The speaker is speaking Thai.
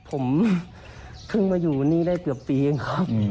ผมเพิ่งมาอยู่นี่ได้เกือบปีเองครับ